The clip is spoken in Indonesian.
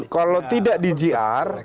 kalau tidak di jr